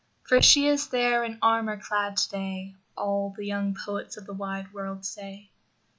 For she is there in armor clad, today, All the young poets of the wide world say.